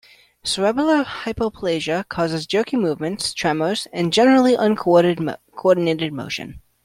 Cerebellar hypoplasia causes jerky movements, tremors and generally uncoordinated motion.